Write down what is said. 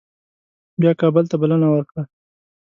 بیا کابل ته بلنه ورکړه.